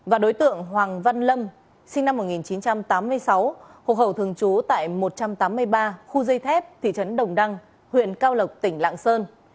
và đối tượng hoàng văn lâm sinh năm một nghìn chín trăm tám mươi sáu hộ khẩu thường trú tại một trăm tám mươi ba khu dây thép thị trấn đồng đăng huyện cao lộc tỉnh lạng sơn